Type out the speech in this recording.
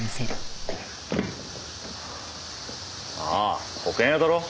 ああ保険屋だろ？